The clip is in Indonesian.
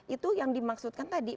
itu yang dimaksudkan tadi